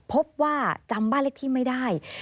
พบว่าจำบ้านเลขที่ไม่ได้